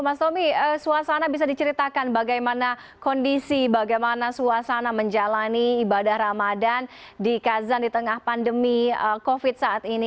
mas tommy suasana bisa diceritakan bagaimana kondisi bagaimana suasana menjalani ibadah ramadan di kazan di tengah pandemi covid saat ini